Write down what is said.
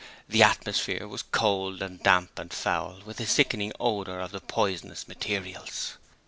The atmosphere was cold and damp and foul with the sickening odours of the poisonous materials.